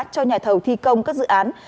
cho nhà thầu thi công các dự án